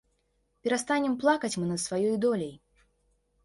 Перастанем плакаць мы над сваёй доляй!